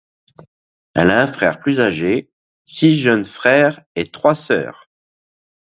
Elle a un frère plus âgé, six jeunes frères et trois sœurs.